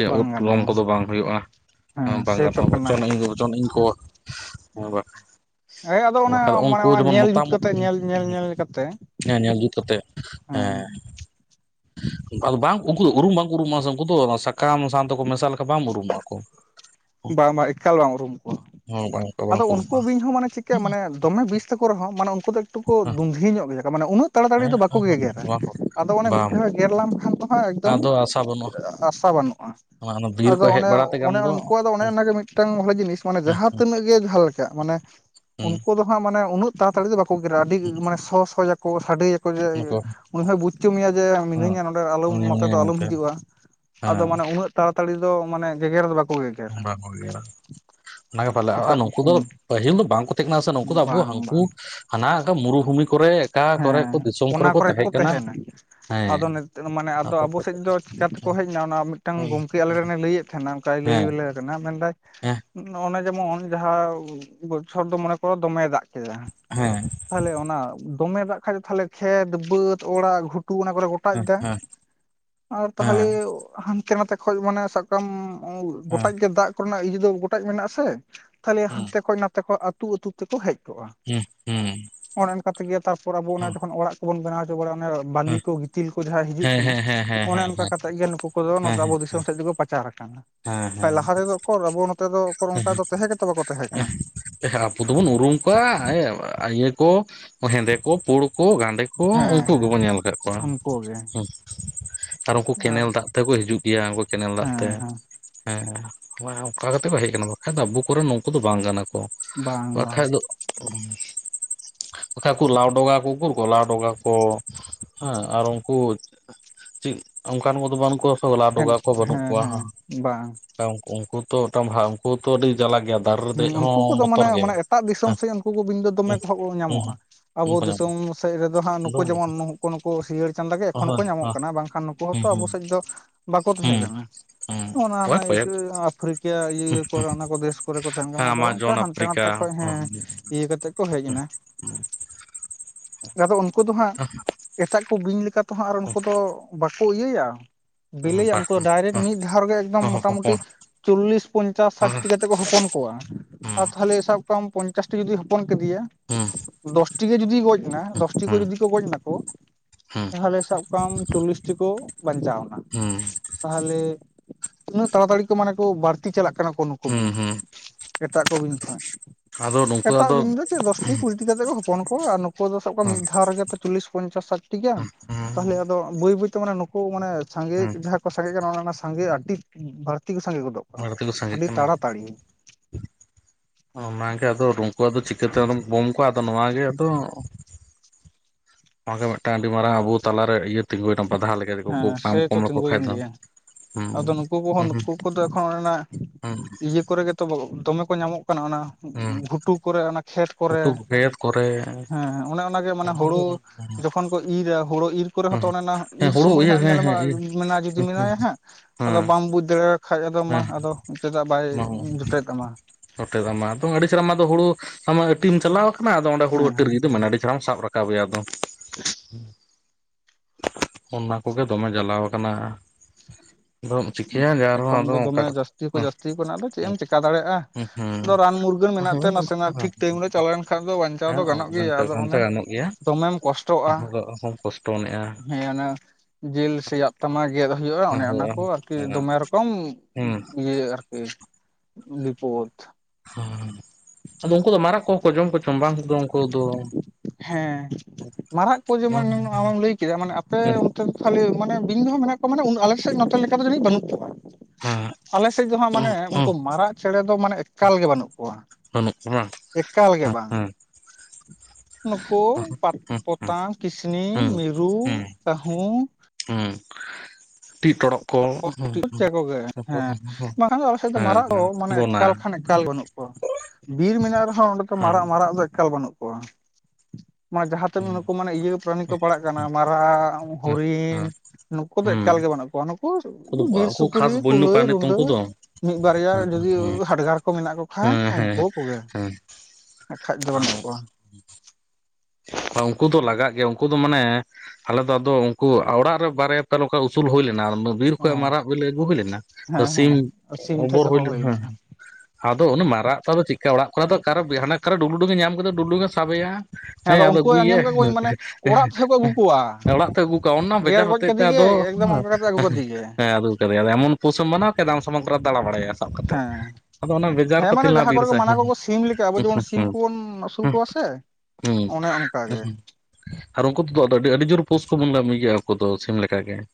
ᱵᱟᱝ ᱩᱫ ᱞᱚᱢ ᱜᱟᱱᱚᱜᱼᱟ ᱠᱚᱫᱚ ᱵᱟᱝ ᱦᱩᱭᱩᱜᱼᱟ ᱦᱮᱸ ᱵᱟᱝ ᱥᱮᱛᱚ ᱜᱟᱱᱚᱜᱼᱟ ᱠᱟᱱᱟ ᱵᱚᱪᱚᱱ ᱡᱚᱱᱚᱜ ᱤᱧ ᱠᱚ ᱦᱮᱸ ᱵᱟ ᱦᱮᱸ ᱟᱫᱚ ᱚᱱᱟ ᱵᱟᱠᱷᱟᱡ ᱩᱱᱠᱩ ᱡᱮᱢᱚᱱ ᱢᱚᱛᱟᱢᱚᱜ [unintelligible] ᱞᱮᱠᱟᱛᱮ ᱦᱮᱸ ᱧᱮᱞ ᱡᱩᱛ ᱠᱟᱛᱮᱜ ᱦᱮᱸ᱾ ᱟᱫᱚ ᱵᱟᱝ ᱩᱱᱠᱩ ᱫᱚ ᱩᱨᱩᱢ ᱵᱟᱝᱠᱚ ᱩᱨᱩᱢᱚᱜᱼᱟ ᱥᱮ ᱩᱱᱠᱩ ᱫᱚ ᱥᱟᱠᱟᱢ ᱥᱟᱶ ᱛᱮᱠᱚ ᱢᱮᱥᱟ ᱞᱮᱠᱷᱟᱱ ᱵᱟᱝ ᱩᱨᱩᱢᱚᱜᱼᱟ ᱠᱚ᱾ [inaudible] ᱵᱟᱝ ᱵᱟᱝ ᱮᱠᱟᱞ ᱵᱟᱢ ᱩᱨᱩᱢ ᱠᱚᱣᱟ᱾ ᱦᱩᱸ ᱵᱟᱝ ᱟᱫᱚ ᱵᱟᱝᱠᱚ ᱩᱱᱠᱩ ᱩᱨᱩᱢᱚᱜᱼᱟ ᱵᱤᱧ ᱦᱚᱸ ᱢᱟᱱᱮ ᱪᱤᱠᱟᱹ ᱢᱟᱱᱮ ᱫᱚᱢᱮ ᱵᱤᱥ ᱛᱟᱠᱚ ᱨᱮᱦᱚᱸ ᱢᱟᱱᱮ ᱩᱱᱠᱩ ᱫᱚ ᱮᱠᱴᱩ ᱠᱚ ᱫᱩᱫᱷᱤ ᱧᱚᱜ ᱜᱮᱭᱟ ᱠᱚ ᱢᱟᱱᱮ ᱩᱱᱟᱹᱜ ᱛᱟᱲᱟᱛᱟᱲᱤ ᱦᱮᱸ ᱫᱚ ᱵᱟᱠᱚ ᱜᱮ ᱜᱮᱨᱟ ᱵᱟᱝ ᱟᱫᱚ ᱚᱱᱮ ᱢᱤᱫ ᱵᱟᱝ ᱫᱷᱟᱣ ᱜᱮᱨ ᱞᱮᱢᱠᱷᱟᱱ ᱫᱚᱦᱟᱸᱜ ᱮᱠᱫᱚᱢ ᱟᱫᱚ ᱟᱥᱟ ᱵᱟᱹᱱᱩᱜᱼᱟ ᱟᱥᱟ ᱵᱟᱹᱱᱩᱜᱼᱟ᱾ ᱚᱱᱟ ᱵᱤᱨ ᱟᱫᱚ ᱠᱚ ᱦᱮᱡ ᱚᱱᱮ ᱵᱟᱲᱟ ᱛᱮᱜᱮ ᱚᱱᱮ ᱟᱢ ᱩᱱᱠᱩᱣᱟᱜ ᱫᱚ ᱚᱱᱮ ᱚᱱᱟᱜᱮ ᱢᱤᱫᱴᱟᱝ ᱟᱞᱮ ᱡᱤᱱᱤᱥ ᱢᱟᱱᱮ ᱡᱟᱦᱟᱸ ᱛᱤᱱᱟᱹᱜ ᱜᱮ ᱡᱟᱦᱟᱸ ᱞᱮᱠᱟ ᱢᱟᱱᱮ ᱩᱱᱠᱩ ᱫᱚ ᱦᱟᱸᱜ ᱢᱟᱱᱮ ᱩᱱᱟᱹᱜ ᱛᱟᱲᱟᱛᱟᱲᱤ ᱫᱚ ᱵᱟᱠᱚ ᱜᱮ ᱜᱮᱨᱟ ᱟᱹᱰᱤ ᱢᱟᱱᱮ ᱥᱚ ᱥᱚᱡᱟᱠᱚ ᱥᱟᱰᱮᱭᱟ ᱱᱩᱠᱩ ᱦᱚᱭ ᱵᱩᱡᱽ ᱪᱚ ᱢᱮᱭᱟ ᱡᱮ ᱦᱮᱸ ᱢᱤᱱᱟᱹᱧᱟ ᱱᱚᱰᱮ ᱟᱞᱚᱢ ᱱᱚᱛᱮ ᱢᱮᱱᱟᱭᱟ ᱫᱚ ᱟᱞᱚᱢ ᱢᱮᱱᱛᱮ ᱦᱤᱡᱩᱜᱼᱟ᱾ ᱟᱫᱚ ᱦᱮᱸ ᱢᱟᱱᱮ ᱩᱱᱟᱹᱜ ᱛᱟᱲᱟᱛᱟᱲᱤ ᱫᱚ ᱢᱟᱱᱮ ᱜᱮᱜᱮᱨ ᱫᱚ ᱵᱟᱠᱚ ᱜᱮ [unintelligible] ᱚᱱᱟᱜᱮ ᱛᱟᱦᱞᱮ ᱮᱴᱟᱜ ᱱᱩᱠᱩ ᱫᱚ ᱦᱩᱸ ᱯᱟᱹᱦᱤᱞ ᱫᱚ ᱵᱟᱝᱠᱚ ᱛᱟᱦᱮᱸ ᱠᱟᱱᱟ ᱥᱮ ᱱᱩᱠᱩ ᱫᱚ ᱟᱵᱩ ᱵᱟᱝ ᱦᱟᱝᱠᱩᱼᱼ ᱵᱟᱝ ᱦᱟᱱᱟ ᱟᱠᱟ ᱢᱩᱨᱩᱵᱷᱩᱢᱤ ᱠᱚᱨᱮ ᱟᱠᱟ ᱠᱚᱨᱮ ᱦᱮᱸ ᱠᱚ ᱫᱤᱥᱚᱢ ᱠᱚᱨᱮ ᱚᱱᱟ ᱠᱚ ᱛᱟᱦᱮᱸ ᱠᱟᱱᱟ᱾ ᱛᱟᱦᱮᱱᱟ ᱟᱫᱚ ᱦᱮᱸ ᱱᱮᱛ ᱢᱟᱱᱮ ᱟᱫᱚ ᱟᱵᱚ ᱟᱯᱟᱛᱚᱛᱚ ᱥᱮᱫ ᱫᱚ ᱪᱮᱠᱟᱛᱮᱠᱚ ᱦᱮᱡ ᱮᱱᱟ ᱚᱱᱟ ᱢᱤᱫᱴᱟᱝ ᱦᱮᱸ ᱦᱮᱸ ᱜᱚᱢᱠᱮ ᱟᱞᱮᱨᱮᱞᱮ ᱞᱟᱹᱭᱮᱜ ᱛᱟᱦᱮᱱᱟ᱾ ᱠᱟᱭ ᱞᱟᱹᱭ ᱦᱮᱸ ᱟᱞᱮ ᱠᱟᱱᱟ ᱢᱮᱱᱫᱟᱭ ᱦᱮᱸ ᱱᱚᱜᱱᱟᱼᱼ ᱡᱮᱢᱚᱱ ᱡᱟᱦᱟᱸ ᱵᱚᱪᱷᱚᱨ ᱫᱚ ᱢᱚᱱᱮ ᱠᱚᱨᱚ ᱫᱚᱢᱮ ᱫᱟᱜ ᱠᱮᱫᱟ ᱛᱟᱦᱚᱞᱮ ᱚᱱᱟᱼᱼ ᱫᱚᱢᱮ ᱫᱟᱜ ᱠᱷᱟ ᱫᱚ ᱛᱟᱦᱚᱞᱮ ᱠᱷᱮᱛ ᱵᱟᱹᱫᱽ ᱚᱲᱟᱜ ᱜᱷᱩᱴᱩ ᱚᱱᱟ ᱠᱚᱨᱮᱼᱼ ᱟᱡ ᱫᱟ ᱦᱮᱸ ᱟᱨ ᱛᱟᱦᱚᱞᱮ ᱦᱮᱸ ᱦᱟᱱᱛᱮ ᱱᱟᱛᱮ ᱠᱷᱚᱡ ᱢᱟᱱᱮ ᱥᱟᱵ ᱠᱟᱢᱼᱼ ᱦᱮᱸ ᱜᱚᱴᱟ ᱜᱮ ᱫᱟᱜ ᱠᱚᱨᱮᱱᱟᱜ ᱤᱭᱟᱹᱩ ᱫᱚ ᱜᱚᱴᱟᱡ ᱢᱮᱱᱟᱜ ᱟᱥᱮ ᱛᱟᱦᱞᱮ ᱦᱟᱱᱛᱮ ᱠᱷᱚᱡ ᱱᱟᱛᱮ ᱠᱷᱚᱡ ᱟᱹᱛᱩ ᱟᱹᱛᱩ-ᱼ ᱛᱮᱠᱚ ᱦᱮᱡ ᱠᱚᱜᱼᱟ᱾ ᱦᱩᱸ ᱦᱩᱸ ᱚᱱᱮ ᱚᱱᱠᱟ ᱛᱮᱜᱮ ᱛᱟᱨᱯᱚᱨ ᱟᱵᱚ ᱚᱱᱟ ᱦᱩᱸ ᱡᱚᱠᱷᱚᱱ ᱚᱲᱟᱜ ᱠᱚᱵᱚᱱ ᱵᱮᱱᱟᱣ ᱚᱪᱚ ᱵᱟᱞᱤ ᱦᱩᱸ ᱠᱚ ᱜᱤᱛᱤᱞᱼᱼ ᱠᱩ ᱡᱟᱦᱟᱸ ᱦᱤᱡᱩᱜ ᱦᱮᱸ ᱠᱟᱱᱟ ᱦᱮᱸ ᱦᱮᱸ ᱦᱮᱸ ᱦᱮᱸ ᱦᱮᱸ ᱚᱱᱮ ᱚᱱᱠᱟ ᱦᱮᱸ ᱠᱟᱛᱮᱜ ᱜᱮ ᱱᱩᱠᱩ ᱠᱚᱫᱚ ᱱᱚ ᱟᱵᱚ ᱫᱤᱥᱚᱢ ᱦᱮᱸ ᱥᱮᱫ ᱛᱮᱠᱚ ᱯᱟᱪᱟᱨ ᱠᱟᱱᱟ᱾ ᱦᱮᱸ ᱦᱮᱸ ᱚᱠᱚᱨ ᱟᱵᱚ ᱱᱚᱛᱮ ᱫᱚ ᱚᱠᱚᱨ ᱚᱱᱠᱟ ᱫᱚ ᱛᱟᱦᱮᱸ ᱜᱮᱛᱚ ᱵᱟᱠᱚ ᱛᱟᱦᱮᱸ ᱠᱟᱱᱟ᱾ ᱦᱮ ᱟᱵᱚ ᱫᱚᱵᱚᱱ ᱩᱨᱩᱢ ᱠᱚᱣᱟ ᱮ ᱤᱭᱟᱹ ᱠᱚ ᱦᱮᱸᱫᱮ ᱠᱚ ᱯᱩᱲ ᱠᱚ ᱜᱟᱸᱰᱮᱼᱼ ᱠᱩ ᱦᱮᱸ ᱩᱱᱠᱩ ᱦᱮᱸ ᱜᱮᱵᱚᱱ ᱧᱮᱞ ᱠᱟᱫ ᱠᱚᱣᱟ ᱩᱱᱠᱩ ᱜᱮ ᱦᱩᱸ᱾ ᱟᱨ ᱩᱱᱠᱩ ᱠᱮᱱᱮᱞ ᱫᱟᱜ ᱛᱮᱠᱚ ᱦᱤᱡᱩᱜ ᱜᱮᱭᱟ ᱩᱱᱠᱩ ᱠᱮᱱᱮᱞ ᱫᱟᱜ ᱛᱮ ᱦᱮᱸ ᱦᱮᱸ ᱦᱮᱸ ᱚᱱᱠᱟ ᱠᱟᱛᱮ ᱠᱚ ᱦᱮᱡ ᱵᱟᱠᱷᱟᱡ ᱫᱚ ᱟᱵᱚ ᱠᱚᱨᱮ ᱱᱩᱠᱩ ᱫᱚ ᱵᱟᱝ ᱠᱟᱱᱟ ᱠᱚ ᱵᱟᱝ ᱵᱟᱝ ᱵᱟᱠᱷᱟᱡ ᱫᱚ ᱵᱟᱠᱷᱟᱡ ᱠᱩ ᱞᱟᱣᱰᱟ ᱩᱠᱩᱨ ᱠᱩ ᱞᱟᱣᱰᱚᱜᱟ ᱠᱩ ᱦᱮᱸ ᱟᱨ ᱩᱝᱠᱩ ᱪᱤᱜ ᱚᱝᱠᱟᱱ ᱠᱚᱫᱚ ᱵᱟᱹᱱᱩᱜ ᱠᱚᱣᱟ ᱛᱚ ᱦᱮᱸ ᱞᱟᱣᱰᱚᱜᱟ ᱠᱚ ᱵᱟᱹᱱᱩᱜ ᱦᱮᱸ ᱠᱚᱣᱟ ᱦᱮᱸ ᱦᱟᱸ ᱵᱟᱝ ᱩᱱᱠᱩ ᱛᱚ ᱢᱤᱫᱴᱟᱝ ᱵᱷᱟ ᱩᱱᱠᱩ ᱛᱚ ᱟᱹᱰᱤ ᱡᱟᱞᱟ ᱜᱮᱭᱟ᱾ ᱫᱟᱨᱮ ᱨᱮ ᱫᱮᱡ ᱦᱩᱸ ᱩᱱᱠᱩ ᱦᱚᱸ ᱠᱚᱫᱚ ᱢᱟᱱᱮ ᱵᱚᱛᱚᱨ ᱜᱮ ᱢᱟᱱᱮ ᱮᱴᱟᱜ ᱫᱤᱥᱚᱢ ᱥᱮᱡ ᱩᱱᱠᱩ ᱠᱚ ᱵᱤᱧ ᱫᱚ ᱫᱚᱢᱮ ᱦᱮᱸ ᱠᱚᱦᱚᱸ ᱠᱚ ᱧᱟᱢᱚᱜ-ᱟ᱾ ᱟᱵᱚ ᱫᱤᱥᱚᱢ ᱥᱮᱜ ᱨᱮᱫᱚ ᱦᱟᱸᱜ ᱱᱩᱠᱩ ᱡᱮᱢᱚᱱ ᱱᱩᱠᱩ ᱱᱩᱠᱩ ᱥᱤᱭᱟᱹᱲ ᱪᱟᱸᱫᱟ ᱜᱮ ᱮᱠᱷᱚᱱ ᱠᱚ ᱧᱟᱢᱚᱜ ᱠᱟᱱᱟ᱾ ᱵᱟᱝᱠᱷᱟᱱ ᱱᱩ ᱠᱩ ᱦᱚᱛᱚ ᱟᱵᱚ ᱦᱩᱸ ᱥᱮᱡ ᱫᱚ ᱵᱟᱠᱚ ᱛᱟᱦᱮᱸ ᱠᱟᱱᱟ᱾ ᱚᱱᱟ ᱚᱱᱟ ᱮᱥ ᱦᱩᱸ ᱯᱷᱨᱤᱠᱟ ᱤᱭᱟᱹ ᱤᱭᱟᱹ ᱠᱚᱜᱮ ᱚᱱᱟ ᱠᱚ ᱫᱮᱥ᱾ ᱨᱮ ᱠᱚ ᱛᱟᱦᱮᱱ ᱠᱟᱱᱟ ᱟᱫᱚ ᱚᱱᱠᱟ ᱟᱢᱟᱡᱚᱱ ᱦᱟᱱᱛᱮ ᱟᱯᱷᱨᱤᱠᱟ ᱱᱟᱛᱮ ᱠᱷᱚᱱ ᱦᱮᱸ ᱤᱭᱟᱹ ᱠᱟᱛᱮ ᱠᱚ ᱦᱮᱡ ᱮᱱᱟ᱾ ᱟᱫᱚ ᱩᱱᱠᱩ ᱫᱚ ᱦᱟᱸᱜ ᱮᱴᱟᱜ ᱠᱚ ᱵᱤᱧ ᱞᱮᱠᱟ ᱛᱮ ᱦᱟᱸᱜ ᱟᱨ ᱩᱱᱠᱩ ᱫᱚ ᱵᱟᱠᱚ ᱤᱭᱟᱹᱭᱟ᱾ ᱵᱮᱞᱮᱭᱟ ᱩᱱᱠᱩ ᱰᱟᱭᱨᱮᱴ ᱢᱤᱫ ᱫᱷᱟᱣ ᱨᱮᱜᱮ ᱮᱠᱫᱚᱢ ᱢᱚᱴᱟ ᱢᱩᱴᱤ ᱪᱚᱞᱞᱤᱥ ᱯᱚᱧᱪᱟᱥ ᱥᱟᱴ ᱴᱤ ᱠᱟᱛᱮ ᱠᱚ ᱦᱚ ᱯᱚᱱ ᱠᱚᱣᱟ ᱟᱨ ᱛᱷᱟᱞᱮ ᱥᱟᱵ ᱠᱟᱢ ᱯᱚᱧᱪᱟᱥᱴᱤ ᱡᱩᱫᱤ ᱦᱚᱯᱚᱱ ᱠᱮᱫᱮᱭᱟ᱾ ᱦᱩᱸ᱾ ᱫᱚᱥᱴᱤ ᱜᱮ ᱡᱩᱫᱤ ᱜᱚᱡ ᱱᱟ, ᱫᱚᱥᱴᱤ ᱠᱚ ᱡᱩᱫᱤ ᱠᱚ ᱜᱚᱡ ᱱᱟᱠᱚ᱾ ᱛᱟᱦᱞᱮ ᱥᱟᱵ ᱠᱟᱢ ᱪᱚᱞᱞᱤᱥᱴᱤ ᱠᱚ ᱵᱟᱧᱪᱟᱣ ᱱᱟ᱾ᱛᱟᱦᱞᱮ ᱛᱤᱱᱟᱹᱜ ᱛᱟᱲᱟ ᱛᱟᱹᱲᱤ ᱠᱚ ᱢᱟᱱᱮ ᱠᱚ ᱵᱟᱹᱲᱛᱤ ᱪᱟᱞᱟᱜ ᱠᱟᱱᱟ ᱠᱚ ᱱᱩᱠᱩ ᱵᱤᱧ ᱮᱴᱟᱜ ᱠᱚ ᱵᱤᱧ ᱠᱷᱚᱡ᱾ ᱟᱫᱚ ᱱᱩᱠᱩ ᱮᱴᱟᱜ ᱟᱫᱚ ᱵᱤᱧ ᱫᱚ ᱪᱮᱫ ᱫᱚᱥᱴᱤ, ᱠᱩᱲᱤᱴᱤ ᱠᱟᱛᱮᱜ ᱠᱚ ᱦᱚᱯᱚᱱ ᱠᱚᱣᱟ᱾ ᱟᱨ ᱱᱩᱠᱩ ᱫᱚ ᱥᱟᱵ ᱠᱟᱢ ᱦᱩᱸ ᱢᱤᱫ ᱫᱷᱟᱣ ᱨᱮᱜᱮ ᱪᱚᱞᱞᱤᱥ, ᱯᱚᱧᱪᱟᱥ, ᱥᱟᱴ ᱴᱤ ᱜᱟᱱ ᱛᱟᱦᱞᱮ ᱟᱫᱚ ᱵᱟᱹᱭ ᱵᱟᱹᱭ ᱛᱮ ᱢᱟᱱᱮ ᱱᱩᱠᱩ ᱢᱟᱱᱮ ᱥᱟᱸᱜᱮ ᱡᱟᱦᱟ ᱠᱚ ᱥᱟᱸᱜᱮᱜ ᱠᱟᱱᱟ ᱚᱱᱮ ᱚᱱᱟ ᱥᱟᱸᱜᱮ ᱟᱹᱰᱤ ᱵᱟᱹᱲᱛᱤ ᱠᱚ ᱥᱟᱸᱜᱮ ᱜᱚᱫᱚᱜ ᱠᱟᱱᱟ ᱵᱟᱹᱲᱛᱤ ᱠᱚ ᱥᱟᱸᱜᱮᱜ ᱟᱹᱰᱤ ᱠᱟᱱᱟ ᱛᱟᱲᱟ ᱛᱟᱹᱲᱤ᱾ ᱚᱱᱟ ᱜᱮ ᱟᱫᱚ ᱱᱩᱝᱠᱩ ᱟᱫᱚ ᱪᱤᱠᱟᱹᱛᱮ ᱟᱫᱚᱢ ᱠᱚᱢ ᱠᱚᱣᱟ ᱟᱫᱚ ᱱᱚᱣᱟ ᱜᱮ ᱟᱫᱚ ᱱᱚᱣᱟ ᱜᱮ ᱢᱤᱫᱴᱟᱝ ᱟᱹᱰᱤ ᱢᱟᱨᱟᱝ ᱟᱵᱚ ᱛᱟᱞᱟᱨᱮ ᱤᱭᱟᱹ ᱛᱤᱜᱩᱸᱭᱱᱟ ᱵᱟᱫᱷᱟ ᱞᱮᱠᱟ ᱠᱩ ᱦᱮᱸ ᱵᱟᱢ ᱠᱚᱢ ᱥᱮᱛᱚ ᱞᱮᱠᱚ ᱠᱷᱟᱡ ᱛᱤᱸᱜᱩᱭᱮᱱ ᱫᱚ᱾ ᱜᱮᱭᱟ ᱟᱫᱚ ᱦᱩᱸ ᱱᱩᱠᱩ ᱠᱚᱦᱚᱸ ᱦᱩᱸ ᱱᱩᱠᱩ ᱠᱚᱫᱚ ᱮᱠᱷᱚᱱ ᱚᱱᱮ ᱚᱱᱟ ᱦᱩᱸ ᱤᱭᱟᱹ ᱠᱚᱨᱮ ᱜᱮ᱾ ᱛᱚ ᱫᱚᱢᱮ ᱠᱚ ᱧᱟᱢᱚᱜ ᱠᱟᱱᱟ ᱚᱱᱟ ᱦᱩᱸ ᱜᱷᱩᱴᱩ ᱠᱚᱨᱮ ᱚᱱᱟ᱾ ᱠᱷᱮᱛ ᱩᱛᱩ ᱠᱚᱨᱮ, ᱜᱮᱫ ᱠᱚᱨᱮ ᱦᱮᱸ ᱚᱱᱮ ᱚᱱᱟ ᱜᱮ ᱢᱟᱱᱮ ᱦᱳᱲᱳ ᱡᱚᱠᱷᱚᱱ ᱠᱚ ᱤᱨᱟ ᱦᱳᱲᱳ ᱤᱨ ᱠᱚᱨᱮ ᱦᱚᱸᱛᱚ ᱚᱱᱮ ᱚᱱᱟ ᱦᱮᱸ ᱤᱨ ᱦᱩᱲᱩ ᱥᱚᱢᱚᱭ ᱤᱭᱟᱹ ᱦᱟᱸᱜ ᱦᱮᱸ ᱧᱮᱞ ᱢᱮ ᱦᱮᱸ ᱤᱭᱟᱹ ᱢᱮᱱᱟ ᱡᱩᱫᱤ ᱢᱮᱱᱟᱭᱟ ᱦᱟᱸᱜ ᱟᱫᱚ ᱦᱮᱸ ᱵᱟᱢ ᱵᱩᱡᱽ ᱫᱟᱲᱮᱜ ᱠᱷᱟᱡ ᱟᱫᱚ ᱢᱟ ᱦᱮᱸ ᱟᱫᱚ ᱪᱮᱫᱟᱜ ᱵᱟᱭ ᱡᱚᱴᱮᱫ ᱟᱢᱟ᱾ ᱡᱚᱴᱮᱫ ᱟᱢᱟ ᱟᱫᱚ ᱟᱹᱰᱤ ᱪᱮᱨᱦᱟ ᱢᱟ ᱦᱩᱲᱩ ᱟᱢ ᱢᱟ ᱟᱴᱤᱴ ᱪᱟᱞᱟᱣ ᱠᱟᱱᱟ ᱾ ᱟᱫᱚ ᱚᱸᱰᱮ ᱦᱩᱲᱩ ᱦᱮᱸ ᱟᱴᱤ ᱦᱮᱸ ᱨᱮ ᱡᱩᱫᱤ ᱢᱮᱱᱟᱭᱟ, ᱟᱹᱰᱤ ᱪᱮᱨᱦᱟᱢ ᱥᱟᱵ ᱨᱟᱠ ᱠᱟᱵᱮᱭᱟ ᱟᱫᱚ ᱾ ᱚᱱᱟ ᱠᱚᱜᱮ ᱫᱚᱢᱮ ᱡᱟᱞᱟᱣ ᱠᱟᱱᱟ, ᱟᱫᱚᱢ ᱪᱤᱠᱟᱹᱭᱟ᱾ᱡᱟᱣ ᱮᱠᱷᱚᱱ ᱨᱮᱦᱚᱸ ᱫᱚ ᱚᱱᱠᱟ ᱫᱚᱢᱮ ᱡᱟᱹᱥᱛᱤ ᱦᱚᱸᱠᱚ ᱡᱟᱹᱥᱛᱤ ᱠᱟᱱᱟ᱾ ᱟᱫᱚ ᱪᱮᱫ ᱦᱮᱸ ᱮᱢ ᱪᱮᱠᱟ ᱫᱮᱲᱜ-ᱟ ᱦᱮᱸ ᱾ ᱟᱫᱚ ᱨᱟᱱ ᱢᱩᱨᱜᱟᱹᱱ ᱦᱮᱸ ᱢᱮᱱᱟᱜ ᱛᱮ ᱱᱟᱥᱮᱱᱟᱜ ᱴᱷᱤᱠ ᱴᱟᱭᱤᱢ ᱨᱮ ᱪᱟᱞᱟᱣ ᱞᱮᱱ ᱠᱷᱟᱡ ᱫᱚ ᱵᱟᱧᱪᱟᱣ ᱫᱚ ᱜᱟᱱᱚᱜ ᱜᱮᱭᱟ, ᱵᱟᱧᱪᱟᱣ ᱟᱫᱚ ᱚᱱᱮ ᱜᱟᱱᱚᱜ ᱜᱮᱭᱟ ᱫᱚᱢᱮᱢ ᱠᱚᱥᱴᱚᱜ-ᱟ᱾ ᱴᱚᱱᱮᱜ-ᱟ᱾ ᱦᱮᱸ ᱚᱱᱮ ᱡᱮᱞ ᱥᱮᱭᱟᱜ ᱛᱟᱢᱟ ᱜᱮᱫ ᱦᱩᱭᱩᱜ-ᱟ᱾ ᱚᱱᱮ ᱚᱱᱟ ᱠᱚ ᱟᱨᱠᱤ ᱫᱚᱢᱮ ᱨᱚᱠᱚᱢ ᱦᱩᱸ᱾ ᱮᱭ ᱟᱨᱠᱤ ᱵᱤᱯᱚᱫᱽ᱾ ᱦᱚᱸ ᱟᱫᱚ ᱩᱱᱠᱩ ᱫᱚ ᱢᱟᱨᱟᱜ ᱠᱚᱦᱚᱸ ᱠᱚ ᱡᱚᱢ ᱠᱚ ᱪᱚᱝ ᱵᱟᱝ ᱪᱚᱝ? ᱦᱮᱸ ᱢᱟᱨᱟᱜ ᱠᱚ ᱦᱮᱸ ᱡᱮᱢᱚᱱ ᱟᱢᱮᱢ ᱞᱟᱹᱭ ᱠᱮᱫᱟ ᱢᱟᱱᱮ ᱟᱯᱮ ᱦᱮᱸ ᱠᱷᱟᱹᱞᱤ ᱢᱟᱱᱮ ᱵᱤᱧ ᱫᱚ ᱦᱟᱸᱜ ᱢᱮᱱᱟᱜ ᱠᱚᱣᱟ ᱾ ᱢᱟᱱᱮ ᱟᱞᱮ ᱥᱮᱫ ᱱᱚᱛᱮ ᱞᱮᱠᱟ ᱫᱚ ᱡᱟᱹᱱᱤᱡ ᱵᱟᱹᱱᱩᱜ ᱠᱚᱣᱟ ᱾ ᱟᱞᱮ ᱥᱮᱫ ᱫᱚ ᱦᱟᱸᱜ ᱢᱟᱱᱮ ᱩᱱᱠᱩ ᱢᱟᱨᱟᱜ ᱪᱮᱸᱬᱮ ᱫᱚ ᱢᱟᱱᱮ ᱮᱠᱟᱞ ᱜᱮ ᱵᱟᱹᱱᱩᱜ ᱠᱚᱣᱟ ᱾ ᱵᱟᱹᱱᱩᱜ ᱠᱚᱣᱟ ᱵᱟᱝ᱾ ᱮᱠᱟᱞ ᱜᱮ ᱵᱟᱝ ᱾ ᱱᱩᱠᱩ ᱯᱟᱨᱼ ᱦᱮᱸ ᱯᱚᱛᱟᱢ, ᱠᱤᱥᱱᱤ, ᱢᱤᱨᱩ, ᱠᱟᱹᱦᱩ᱾ ᱦᱩᱸ᱾ [inaudible] ᱠᱚᱜᱮ ᱦᱮᱸ, ᱵᱟᱝᱠᱷᱟᱱ ᱫᱚ ᱟᱞᱮ ᱥᱮᱫ ᱫᱚ ᱢᱟᱨᱟᱜ ᱫᱚ ᱦᱮᱸ ᱢᱟᱱᱮ ᱵᱚᱱᱟ ᱮᱠᱟᱞ ᱠᱷᱟᱱ ᱮᱠᱟᱞ ᱵᱟᱹᱱᱩᱜ ᱠᱚᱣᱟ ᱾ ᱵᱤᱨ ᱢᱮᱱᱟᱜ ᱨᱮᱦᱚᱸ ᱚᱸᱰᱮ ᱫᱚ ᱦᱮᱸ ᱢᱟᱨᱟᱜ ᱢᱟᱨᱟᱜ ᱫᱚ ᱮᱠᱟᱞ ᱵᱟᱹᱱᱩᱜ ᱠᱚᱣᱟ ᱾ ᱱᱚᱣᱟ ᱡᱟᱦᱟᱸᱛᱤᱱᱟᱹᱜ ᱦᱮᱸ ᱱᱩᱠᱩ ᱢᱟᱱᱮ ᱤᱭᱟᱹ ᱯᱨᱟᱱᱤ ᱠᱚ ᱯᱟᱲᱟᱜ ᱠᱟᱱᱟ ᱦᱮᱸ ᱢᱟᱨᱟᱜ, ᱦᱩᱨᱤᱱ, ᱦᱮᱸ ᱱᱩᱠᱩ ᱫᱚ ᱮᱠᱟᱞ ᱦᱮᱸ ᱜᱮ ᱵᱟᱹᱱᱩᱜ ᱠᱚᱣᱟ ᱾ ᱱᱩ ᱩᱱᱠᱩ ᱫᱚ ᱠᱩ ᱵᱤᱨ ᱩᱱᱠᱩ ᱠᱷᱟᱥ ᱥᱩᱠᱨᱤ, ᱵᱚᱱᱱᱚ ᱠᱩᱞᱟᱹᱭ, ᱯᱨᱟᱱᱤ ᱛᱚ ᱨᱩᱸᱰᱟᱹ, ᱩᱱᱠᱩ ᱫᱚ ᱦᱮᱸ ᱢᱤᱫ ᱵᱟᱨᱭᱟ ᱡᱩᱫᱤ ᱦᱮᱸ ᱦᱟᱰᱜᱟᱨ ᱠᱚ ᱢᱮᱱᱟᱜ ᱠᱚ ᱠᱷᱟᱡ ᱦᱮᱸ ᱦᱮᱸ ᱳᱝᱠᱳ ᱠᱚᱜᱮ ᱾ ᱦᱮᱸ ᱵᱟᱠᱷᱟᱡ ᱫᱚ ᱵᱟᱹᱱᱩᱜ ᱠᱚᱣᱟ ᱾ ᱦᱚᱸ ᱩᱝᱠᱩ ᱫᱚ ᱞᱟᱜᱟᱜ ᱜᱮᱭᱟ, ᱩᱝᱠᱩ ᱫᱚ ᱢᱟᱱᱮ ᱟᱞᱮ ᱫᱚ ᱟᱫᱚ ᱩᱝᱠᱩ ᱚᱲᱟᱜ ᱨᱮ ᱵᱟᱨᱭᱟ [inaudible] ᱚᱝᱠᱟ ᱩᱥᱩᱞ ᱦᱩᱭ ᱞᱮᱱᱟ᱾ ᱵᱤᱨ ᱚ ᱠᱷᱚᱡ ᱢᱟᱨᱟᱜ ᱵᱮᱞᱮ ᱟᱹᱜᱩ ᱦᱩᱭ ᱞᱮᱱᱟ, ᱛᱚ ᱦᱮᱸ ᱦᱮᱸ ᱥᱤᱢ ᱥᱤᱢ ᱴᱷᱮᱡ ᱚᱵᱚᱨ ᱦᱩᱭ ᱫᱚᱦᱚ ᱞᱮᱱᱟ ᱾ ᱟᱫᱚ ᱩᱱᱤ ᱢᱟᱨᱟᱜ ᱛᱚ ᱟᱫᱚ ᱪᱤᱜᱠᱟ ᱚᱲᱟᱜ ᱠᱚᱨᱮᱜ ᱫᱚ ᱚᱠᱟᱨᱮ ᱦᱟᱱᱮ ᱚᱠᱟᱨᱮ ᱰᱩᱞᱩᱰᱩᱝᱮ ᱧᱟᱢ ᱠᱮᱫᱮ ᱰᱩᱞᱩᱰᱩᱝᱮ ᱥᱟᱵᱮᱭᱟ, ᱦᱮᱸ ᱟᱫᱚ ᱩᱱᱠᱩ ᱟᱹᱜᱩᱭᱮᱭᱟ᱾ ᱟᱸᱡᱚᱢ ᱠᱟᱜ ᱠᱚᱣᱟᱹᱧ ᱢᱟᱱᱮ ᱚᱲᱟᱜ ᱛᱮᱦᱚᱸ ᱠᱚ ᱟᱹᱜᱩ ᱠᱚᱣᱟ ᱟᱨ ᱚᱲᱟᱜ ᱛᱮ ᱟᱹᱜᱩ ᱠᱟᱣᱟ ᱚᱱᱟ ᱵᱮᱡᱟᱨ ᱦᱚᱛᱮᱜ ᱛᱮ ᱟᱫᱚ ᱚᱠᱚᱭ ᱟᱹᱜᱩ ᱠᱟᱫᱮ ᱜᱮᱭᱟᱭ? ᱠᱟᱨᱮᱭᱟ ᱨᱮ ᱮᱢᱚᱱ ᱯᱩᱭᱥᱟᱢ ᱢᱟᱱᱟᱣ ᱠᱮᱫᱟᱢ ᱥᱟᱢᱟᱝ ᱠᱚᱨᱮ ᱫᱟᱲᱟ ᱵᱟᱲᱟᱭᱟ ᱥᱟᱵ ᱠᱟᱛᱮᱫ ᱦᱮᱸ ᱾ ᱟᱫᱚ ᱚᱱᱟ ᱵᱮᱡᱟᱨ ᱦᱮᱸ ᱠᱚᱛᱮ ᱢᱟᱱᱮ [unintelligible] ᱡᱟᱦᱟᱸ ᱵᱤᱨ ᱠᱚᱨᱮ ᱠᱚ ᱥᱮᱜ [inaudible] ᱢᱟᱱᱟ ᱦᱩᱸ, ᱠᱚᱠᱚ ᱥᱤᱢ ᱞᱮᱠᱟ ᱟᱵᱚ ᱡᱮᱢᱚᱱ ᱥᱤᱢ ᱠᱚᱵᱚᱱ ᱟᱹᱥᱩᱞ ‌ᱦᱩᱸ ᱠᱚᱣᱟ ᱥᱮ ᱚᱱᱮ ᱚᱱᱠᱟ ᱜᱮ ᱦᱩᱸ᱾ ᱟᱨ ᱩᱝᱠᱩ ᱫᱚ ᱟᱹᱰᱤ ᱟᱹᱰᱤ ᱡᱟᱹᱨ ᱯᱳᱥ ᱠᱚ ᱵᱚᱸᱜᱟ ᱢᱮᱜᱮᱜ ᱟᱠᱚ ᱫᱚ ᱥᱤᱢ ᱞᱮᱠᱟ ᱜᱮ ᱾